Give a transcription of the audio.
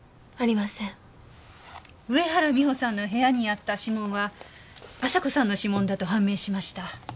上原美帆さんの部屋にあった指紋は亜沙子さんの指紋だと判明しました。